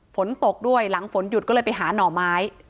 ฝนตกด้วยหลังฝนหยุดก็เลยไปหาหน่อไม้